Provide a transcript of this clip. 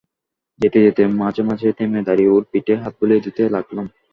যেতে যেতে মাঝে মাঝে থেমে দাঁড়িয়ে ওর পিঠে হাত বুলিয়ে দিতে লাগলাম।